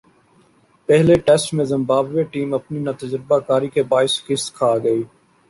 پہلے ٹیسٹ میں Zimbabwe team اپنی ناتجربہ کاری کے باعث شکست کھاگئی ۔